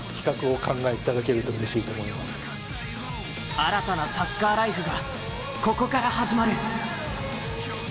新たなサッカーライフがここから始まる。